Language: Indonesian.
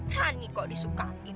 rani kok disukain